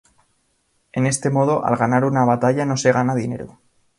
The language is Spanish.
En este modo, al ganar una batalla no se gana dinero.